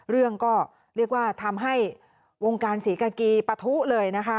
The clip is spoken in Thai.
เรื่องก็เรียกว่าทำให้วงการศรีกากีปะทุเลยนะคะ